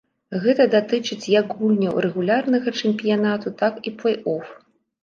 Гэта датычыць як гульняў рэгулярнага чэмпіянату, так і плэй-оф.